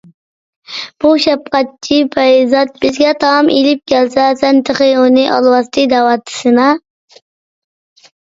بۇ شەپقەتچى پەرىزات بىزگە تائام ئېلىپ كەلسە، سەن تېخى ئۇنى ئالۋاستى دەۋاتىسىنا؟